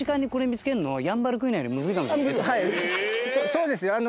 そうですよあの。